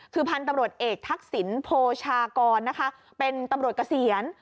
คือพันธุ์ตำรวจเอกทักษิณโพชากรนะคะเป็นตำรวจเกษียณ